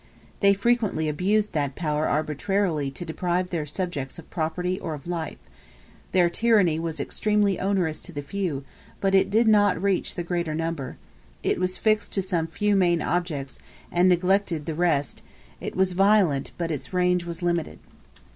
They frequently abused that power arbitrarily to deprive their subjects of property or of life: their tyranny was extremely onerous to the few, but it did not reach the greater number; it was fixed to some few main objects, and neglected the rest; it was violent, but its range was limited.